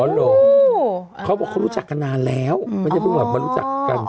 โอ้โหเขารู้จักกันนานแล้วไม่ได้เพิ่งมารู้จักกัน